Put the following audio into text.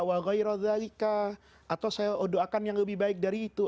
atau saya doakan yang lebih baik dari itu